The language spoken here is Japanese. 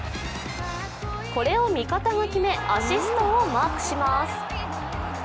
これを味方が決め、アシストをマークします。